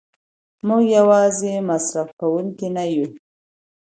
موږ یوازې مصرف کوونکي نه یو.